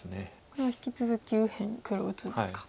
これは引き続き右辺黒打つんですか。